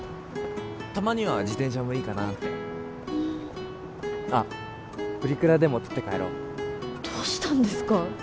たまには自転車もいいかなあってふんあっプリクラでも撮って帰ろうどうしたんですか？